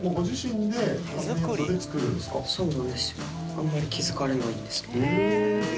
あんまり気付かれないんですけど。